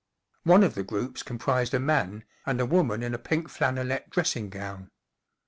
One of the groups comprised a man and a woman in a pink flannelette dressing gown.